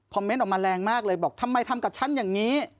เมนต์ออกมาแรงมากเลยบอกทำไมทำกับฉันอย่างนี้